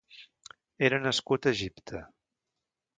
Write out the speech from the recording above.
Era nascut a Egipte.